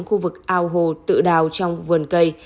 khu vực ao hồ tự đào trong vườn cây